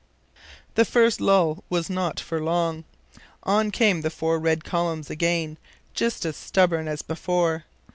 This first lull was not for long. On came the four red columns again, just as stubborn as before.